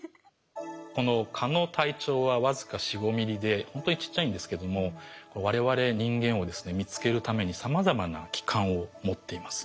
この蚊の体長は僅か４５ｍｍでほんとにちっちゃいんですけどもわれわれ人間をですね見つけるためにさまざまな器官を持っています。